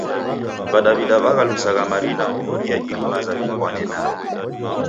W'adaw'ida w'aghalusagha marina kunughia iri maza w'ipwane naro.